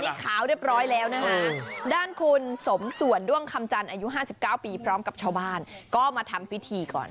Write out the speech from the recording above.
นี่ขาวเรียบร้อยแล้วนะคะด้านคุณสมส่วนด้วงคำจันทร์อายุ๕๙ปีพร้อมกับชาวบ้านก็มาทำพิธีก่อน